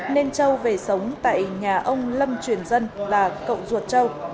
nên châu về sống tại nhà ông lâm truyền dân là cậu ruột châu